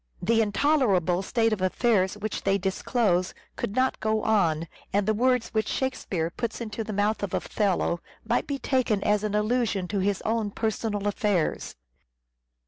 The intolerable state of affairs which they disclose could not go on, and the words which Shakespeare puts into the mouth of Othello, might be taken as an allusion to his own personal affairs.